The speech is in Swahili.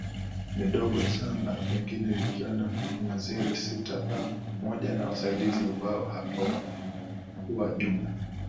ni Dogo sana pengine likiwa na mwaziri sita pamoja na wasaidizi wao huwa jumla